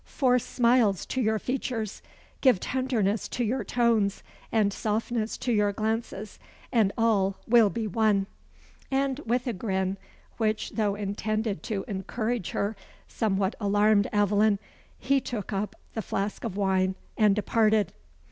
Force smiles to your features give tenderness to your tones, and softness to your glances and all will be won." And with a grin, which, though intended to encourage her, somewhat alarmed Aveline, he took up the flask of wine and departed.